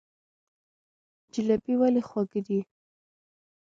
جلبي ولې خوږه ده؟